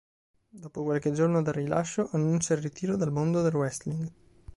Dopo qualche giorno dal rilascio, annuncia il ritiro dal mondo del wrestling.